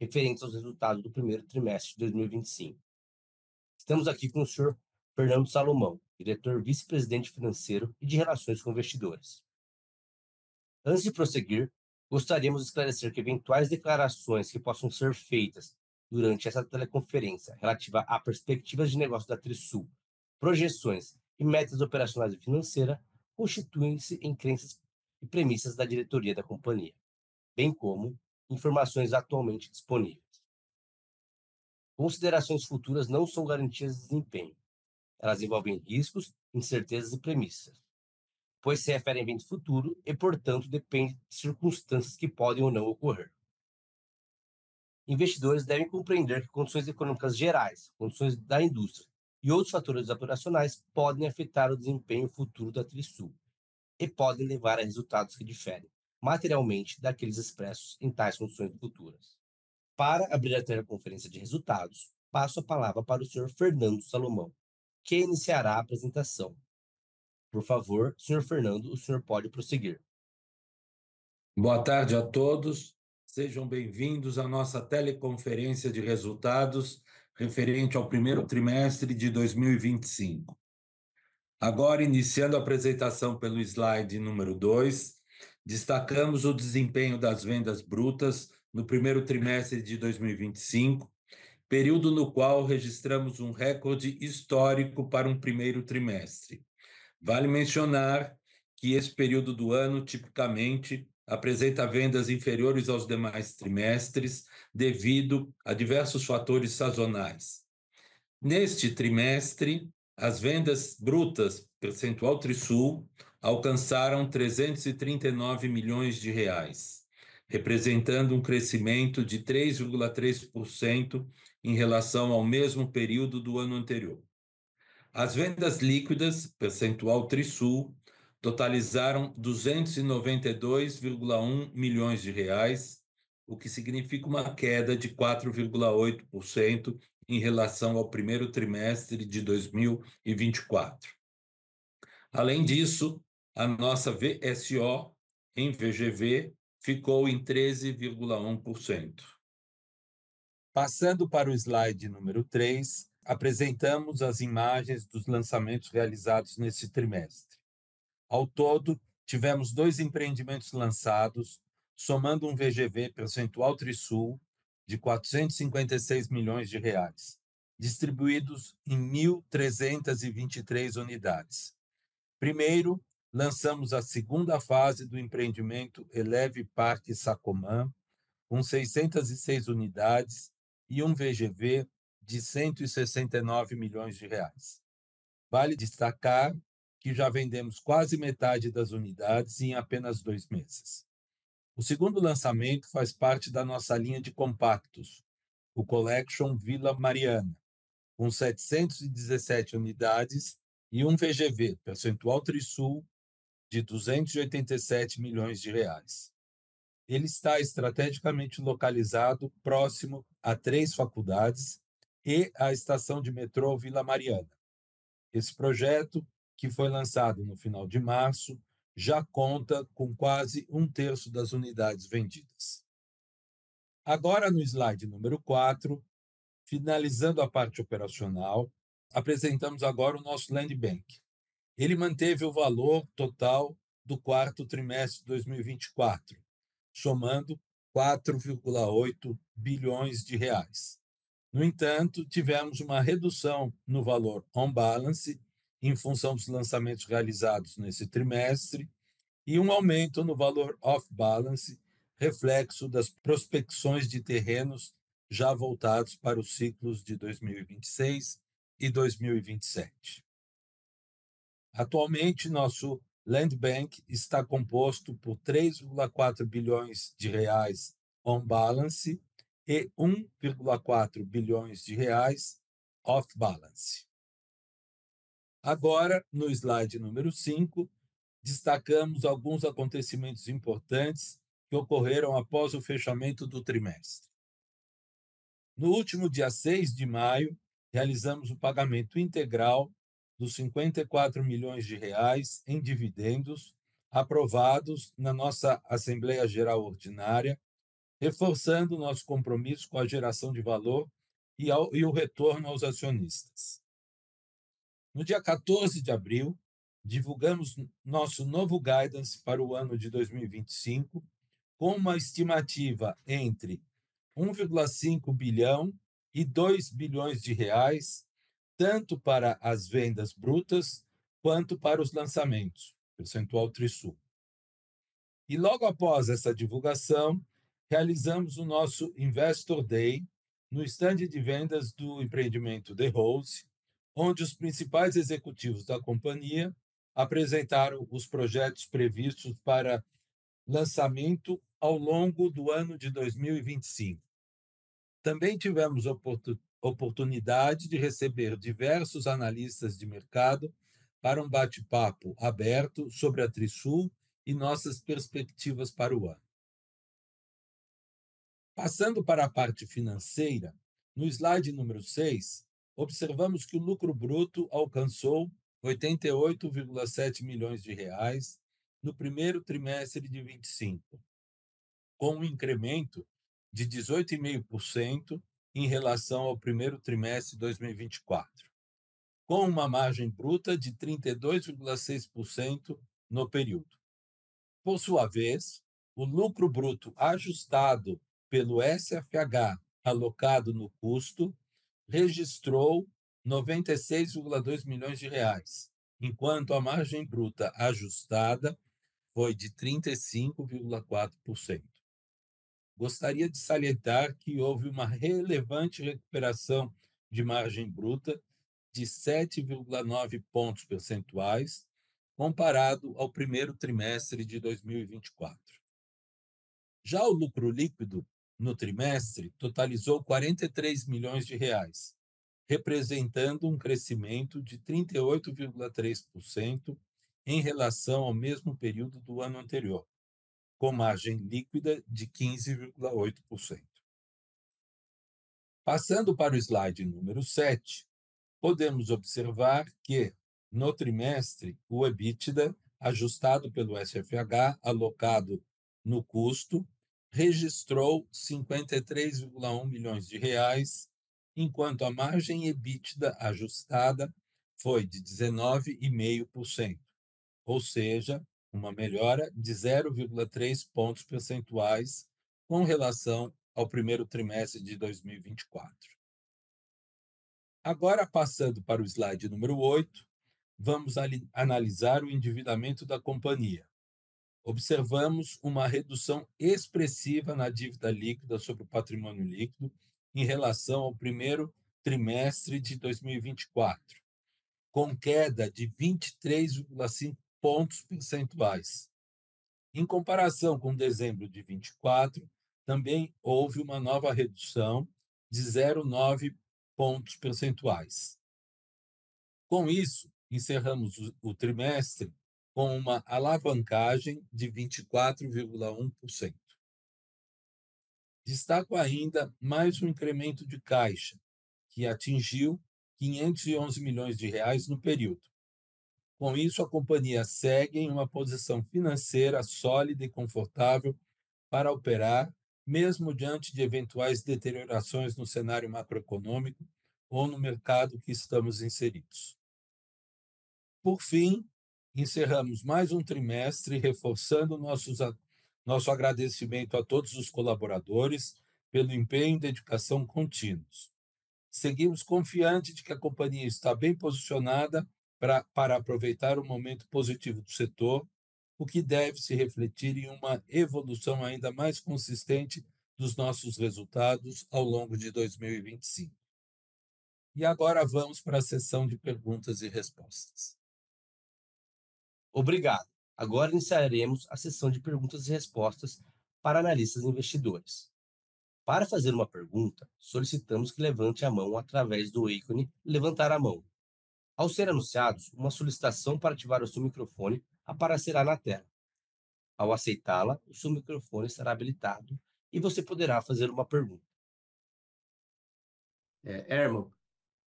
Referentes aos resultados do primeiro trimestre de 2025. Estamos aqui com o senhor Fernando Salomão, Diretor Vice-Presidente Financeiro e de Relações com Investidores. Antes de prosseguir, gostaríamos de esclarecer que eventuais declarações que possam ser feitas durante essa teleconferência relativa à perspectivas de negócio da Trisul, projeções e metas operacionais e financeira, constituem-se em crenças e premissas da diretoria da companhia, bem como informações atualmente disponíveis. Considerações futuras não são garantias de desempenho. Elas envolvem riscos, incertezas e premissas, pois se referem a evento futuro e, portanto, depende de circunstâncias que podem ou não ocorrer. Investidores devem compreender que condições econômicas gerais, condições da indústria e outros fatores operacionais podem afetar o desempenho futuro da Trisul e podem levar a resultados que diferem materialmente daqueles expressos em tais declarações futuras. Para abrir a teleconferência de resultados, passo a palavra para o senhor Fernando Salomão, que iniciará a apresentação. Por favor, senhor Fernando, o senhor pode prosseguir. Boa tarde a todos. Sejam bem-vindos à nossa teleconferência de resultados referente ao primeiro trimestre de 2025. Agora iniciando a apresentação pelo slide número 2, destacamos o desempenho das vendas brutas da Trisul no primeiro trimestre de 2025, período no qual registramos um recorde histórico para um primeiro trimestre. Vale mencionar que esse período do ano tipicamente apresenta vendas inferiores aos demais trimestres, devido a diversos fatores sazonais. Neste trimestre, as vendas brutas da Trisul alcançaram BRL 339 milhões, representando um crescimento de 3.3% em relação ao mesmo período do ano anterior. As vendas líquidas, da Trisul, totalizaram 292.1 milhões reais, o que significa uma queda de 4.8% em relação ao primeiro trimestre de 2024. Além disso, a nossa VSO em VGV ficou em 13.1%. Passando para o slide número 3, apresentamos as imagens dos lançamentos realizados neste trimestre. Ao todo, tivemos 2 empreendimentos lançados, somando um VGV potencial Trisul de BRL 456 million, distribuídos em 1,323 unidades. Primeiro, lançamos a segunda fase do empreendimento Elev Park Sacomã, com 606 unidades e um VGV de 169 million reais. Vale destacar que já vendemos quase metade das unidades em apenas dois meses. O segundo lançamento faz parte da nossa linha de compactos, The Collection Vila Mariana, com 717 unidades e um VGV potencial Trisul de 287 million reais. Ele está estrategicamente localizado próximo a três faculdades e à estação de metrô Vila Mariana. Esse projeto, que foi lançado no final de março, já conta com quase um terço das unidades vendidas. Agora no slide número 4, finalizando a parte operacional, apresentamos agora o nosso Land Bank. Ele manteve o valor total do quarto trimestre de 2024, somando BRL 4.8 billion. No entanto, tivemos uma redução no valor on-balance, em função dos lançamentos realizados nesse trimestre, e um aumento no valor off-balance, reflexo das prospecções de terrenos já voltados para os ciclos de 2026 e 2027. Atualmente, nosso Land Bank está composto por 3.4 billion reais on-balance e BRL 1.4 billion off-balance. Agora, no slide número 5, destacamos alguns acontecimentos importantes que ocorreram após o fechamento do trimestre. No último dia 6 de maio, realizamos o pagamento integral dos 54 million reais em dividendos aprovados na nossa assembleia geral ordinária, reforçando o nosso compromisso com a geração de valor e o retorno aos acionistas. No dia 14 de abril, divulgamos nosso novo guidance para o ano de 2025, com uma estimativa entre 1.5 billion e 2 billion de reais, tanto para as vendas brutas quanto para os lançamentos, percentual Trisul. Logo após essa divulgação, realizamos o nosso Investor Day no estande de vendas do empreendimento The House, onde os principais executivos da companhia apresentaram os projetos previstos para lançamento ao longo do ano de 2025. Também tivemos oportunidade de receber diversos analistas de mercado para um bate-papo aberto sobre a Trisul e nossas perspectivas para o ano. Passando para a parte financeira, no slide número 6, observamos que o lucro bruto alcançou 88.7 million reais no primeiro trimestre de 2025, com incremento de 18.5% em relação ao primeiro trimestre de 2024, com uma margem bruta de 32.6% no período. Por sua vez, o lucro bruto ajustado pelo SFH alocado no custo registrou 96.2 milhões reais, enquanto a margem bruta ajustada foi de 35.4%. Gostaria de salientar que houve uma relevante recuperação de margem bruta de 7.9 pontos percentuais comparado ao primeiro trimestre de 2024. Já o lucro líquido no trimestre totalizou 43 milhões reais, representando um crescimento de 38.3% em relação ao mesmo período do ano anterior, com margem líquida de 15.8%. Passando para o slide número 7, podemos observar que, no trimestre, o EBITDA ajustado pelo SFH alocado no custo registrou 53.1 milhões reais, enquanto a margem EBITDA ajustada foi de 19.5%, ou seja, uma melhora de 0.3 pontos percentuais com relação ao primeiro trimestre de 2024. Agora passando para o slide número 8, vamos analisar o endividamento da companhia. Observamos uma redução expressiva na dívida líquida sobre o patrimônio líquido em relação ao primeiro trimestre de 2024, com queda de 23.5 pontos percentuais. Em comparação com dezembro de 2024, também houve uma nova redução de 0.9 pontos percentuais. Com isso, encerramos o trimestre com uma alavancagem de 24.1%. Destaco ainda mais um incremento de caixa, que atingiu 511 milhões reais no período. Com isso, a companhia segue em uma posição financeira sólida e confortável para operar, mesmo diante de eventuais deteriorações no cenário macroeconômico ou no mercado que estamos inseridos. Por fim, encerramos mais um trimestre reforçando nosso agradecimento a todos os colaboradores pelo empenho e dedicação contínuos. Seguimos confiante de que a companhia está bem posicionada para aproveitar o momento positivo do setor, o que deve se refletir em uma evolução ainda mais consistente dos nossos resultados ao longo de 2025. Agora vamos pra seção de perguntas e respostas. Obrigado. Agora iniciaremos a sessão de perguntas e respostas para analistas e investidores. Para fazer uma pergunta, solicitamos que levante a mão através do ícone "levantar a mão". Ao ser anunciados, uma solicitação para ativar o seu microfone aparecerá na tela. Ao aceitá-la, o seu microfone será habilitado e você poderá fazer uma pergunta. É, Hermann,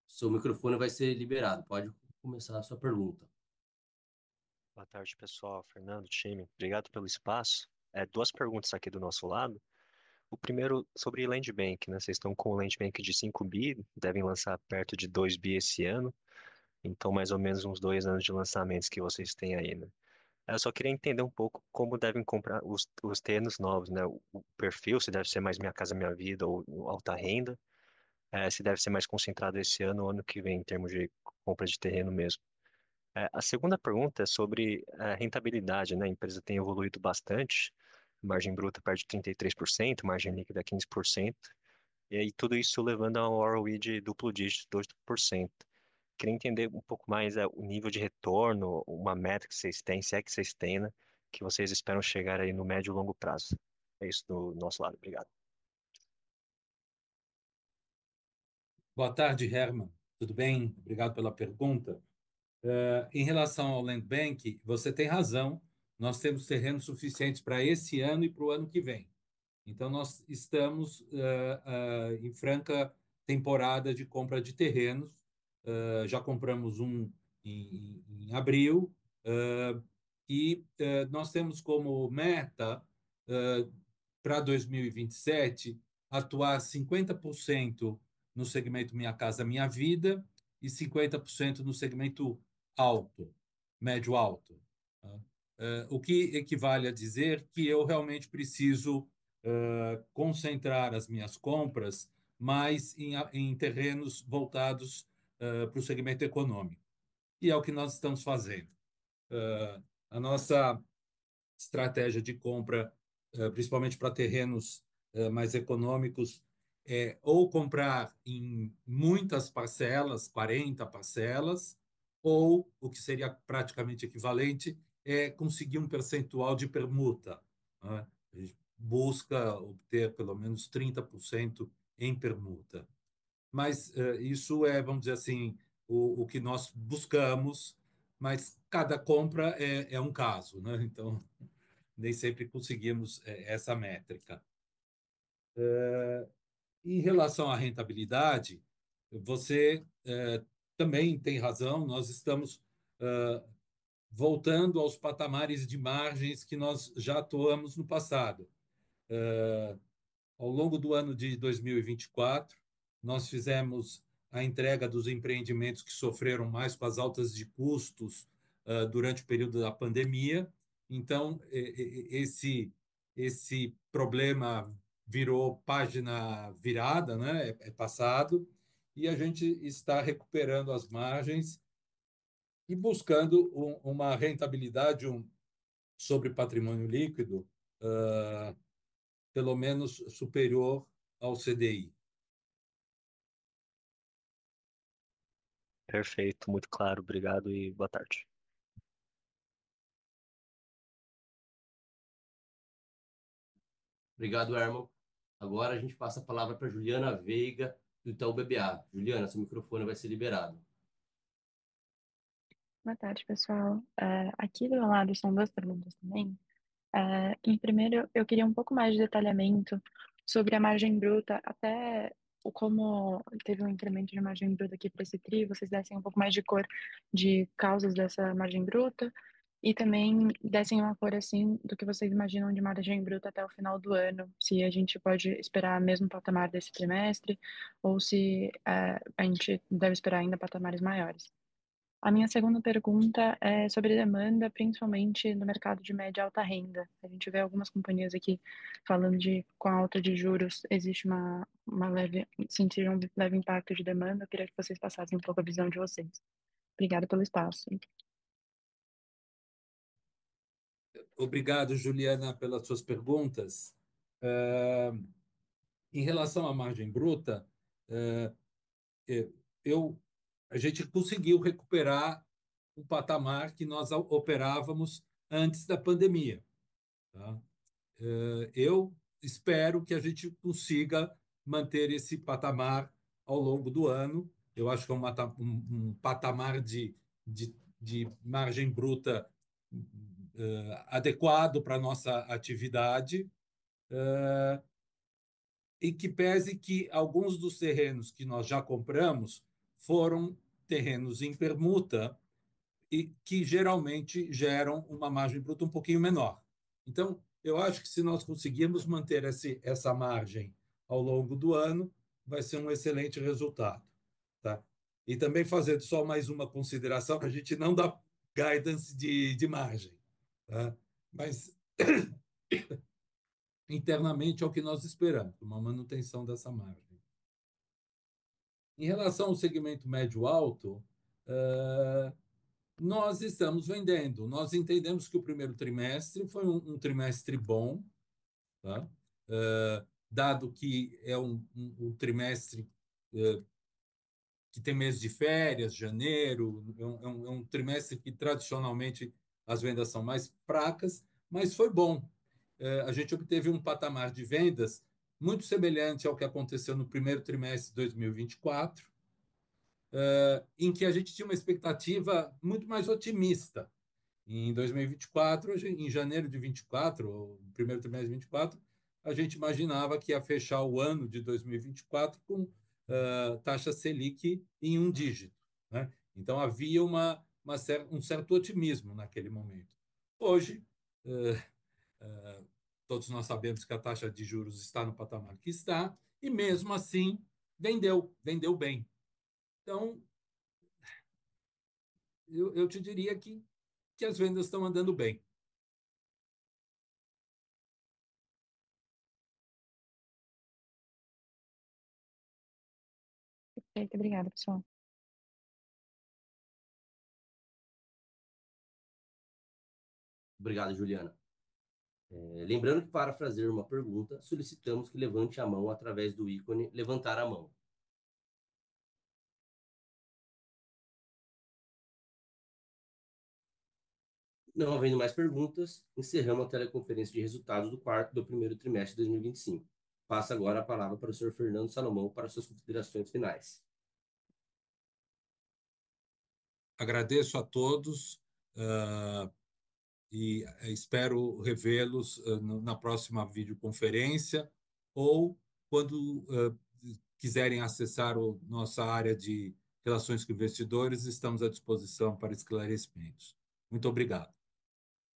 seu microfone vai ser liberado. Pode começar a sua pergunta. Boa tarde, pessoal, Fernando, time. Obrigado pelo espaço. Duas perguntas aqui do nosso lado. O primeiro sobre Land Bank, né? Vocês tão com o Land Bank de 5 bi, devem lançar perto de 2 bi esse ano, então mais ou menos uns 2 anos de lançamentos que vocês têm ainda. Eu só queria entender um pouco como devem comprar os terrenos novos, né, o perfil, se deve ser mais Minha Casa, Minha Vida ou alta renda, se deve ser mais concentrado esse ano ou ano que vem em termos de compra de terreno mesmo. A segunda pergunta é sobre a rentabilidade, né. A empresa tem evoluído bastante, margem bruta perto de 33%, margem líquida é 15%, e aí tudo isso levando a um ROI de duplo dígito, 12%. Queria entender um pouco mais, o nível de retorno, uma métrica que cês têm, se é que cês têm, né, que vocês esperam chegar aí no médio e longo prazo. É isso do nosso lado. Obrigado. Boa tarde, Hermann. Tudo bem? Obrigado pela pergunta. Em relação ao Land Bank, você tem razão. Nós temos terreno suficiente para esse ano e para o ano que vem. Nós estamos em franca temporada de compra de terrenos. Já compramos um em abril, e nós temos como meta para 2027 atuar 50% no segmento Minha Casa, Minha Vida e 50% no segmento alto, médio-alto. É o que equivale a dizer que eu realmente preciso concentrar as minhas compras mais em terrenos voltados para o segmento econômico. É o que nós estamos fazendo. A nossa estratégia de compra é principalmente para terrenos mais econômicos ou comprar em muitas parcelas, 40 parcelas, ou o que seria praticamente equivalente, conseguir um percentual de permuta, né. A gente busca obter pelo menos 30% em permuta. Isso é, vamos dizer assim, o que nós buscamos, mas cada compra é um caso, né? Nem sempre conseguimos essa métrica. Em relação à rentabilidade, você também tem razão. Nós estamos voltando aos patamares de margens que nós já atuamos no passado. Ao longo do ano de 2024, nós fizemos a entrega dos empreendimentos que sofreram mais com as altas de custos durante o período da pandemia. Esse problema virou página virada, né? É passado e a gente está recuperando as margens e buscando uma rentabilidade sobre patrimônio líquido pelo menos superior ao CDI. Perfeito, muito claro. Obrigado e boa tarde. Obrigado, Hermann. Agora a gente passa a palavra pra Juliana Veiga, do Itaú BBA. Juliana, seu microfone vai ser liberado. Boa tarde, pessoal. Aqui do meu lado são duas perguntas também. Em primeiro eu queria um pouco mais de detalhamento sobre a margem bruta, até como teve um incremento de margem bruta aqui pra esse tri, vocês dessem um pouco mais de cor das causas dessa margem bruta e também dessem uma cor, assim, do que vocês imaginam de margem bruta até o final do ano, se a gente pode esperar o mesmo patamar desse trimestre ou se a gente deve esperar ainda patamares maiores. A minha segunda pergunta é sobre demanda, principalmente no mercado de média e alta renda. A gente vê algumas companhias aqui falando de, com a alta de juros, existe uma leve, sentiram um leve impacto de demanda. Eu queria que vocês passassem um pouco a visão de vocês. Obrigada pelo espaço. Obrigado, Juliana, pelas suas perguntas. Em relação à margem bruta, a gente conseguiu recuperar o patamar que nós operávamos antes da pandemia, tá? Eu espero que a gente consiga manter esse patamar ao longo do ano. Eu acho que é um patamar de margem bruta adequado pra nossa atividade, em que pese que alguns dos terrenos que nós já compramos foram terrenos em permuta e que geralmente geram uma margem bruta um pouquinho menor. Então eu acho que se nós conseguirmos manter essa margem ao longo do ano, vai ser um excelente resultado, tá? E também fazendo só mais uma consideração, que a gente não dá guidance de margem, né? Mas internamente é o que nós esperamos, uma manutenção dessa margem. Em relação ao segmento médio-alto, nós estamos vendendo. Nós entendemos que o primeiro trimestre foi um trimestre bom. Dado que é um trimestre que tem mês de férias, janeiro, é um trimestre que tradicionalmente as vendas são mais fracas, mas foi bom. A gente obteve um patamar de vendas muito semelhante ao que aconteceu no primeiro trimestre de 2024, em que a gente tinha uma expectativa muito mais otimista. Em 2024, em janeiro de 2024 ou primeiro trimestre de 2024, a gente imaginava que ia fechar o ano de 2024 com taxa Selic em um dígito. Havia um certo otimismo naquele momento. Hoje, todos nós sabemos que a taxa de juros está no patamar que está e mesmo assim vendeu bem. Eu te diria que as vendas tão andando bem. Perfeito. Obrigada, pessoal. Obrigado, Juliana. Lembrando que para fazer uma pergunta, solicitamos que levante a mão através do ícone "levantar a mão". Não havendo mais perguntas, encerramos a teleconferência de resultados do primeiro trimestre de 2025. Passo agora a palavra para o senhor Fernando Salomão, para suas considerações finais. Agradeço a todos, e espero revê-los, na próxima videoconferência ou quando quiserem acessar nossa área de relações com investidores, estamos à disposição para esclarecimentos. Muito obrigado.